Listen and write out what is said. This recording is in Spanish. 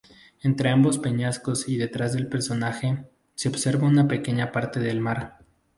Entre ambos peñascos y detrás del personaje, se observa una pequeña parte del mar.